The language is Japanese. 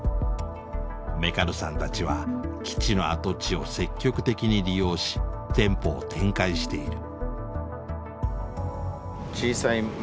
銘苅さんたちは基地の跡地を積極的に利用し店舗を展開している。